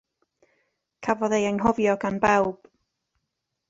Cafodd ei anghofio gan bawb.